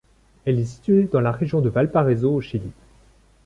Elle est située dans la région de Valparaíso au Chili.